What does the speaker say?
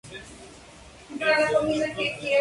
Una luz cálida baña toda la composición.